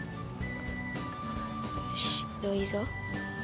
よしいいぞ。